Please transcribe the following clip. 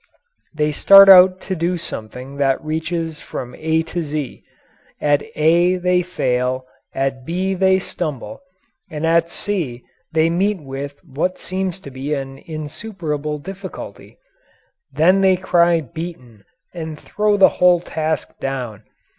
They start out to do something that reaches from A to Z. At A they fail, at B they stumble, and at C they meet with what seems to be an insuperable difficulty. They then cry "Beaten" and throw the whole task down.